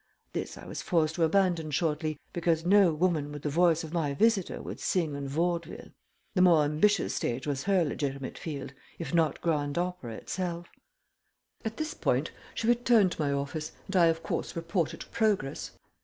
This I was forced to abandon shortly, because no woman with the voice of my visitor would sing in vaudeville. The more ambitious stage was her legitimate field, if not grand opera itself. At this point she returned to my office, and I of course reported progress.